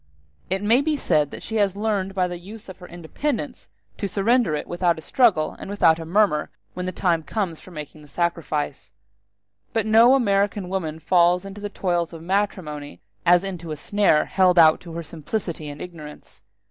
It may be said that she has learned by the use of her independence to surrender it without a struggle and without a murmur when the time comes for making the sacrifice. But no American woman falls into the toils of matrimony as into a snare held out to her simplicity and ignorance.